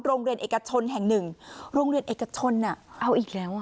โรงเรียนเอกชนแห่งหนึ่งโรงเรียนเอกชนเอาอีกแล้วอ่ะ